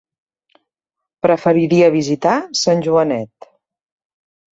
Preferiria visitar Sant Joanet.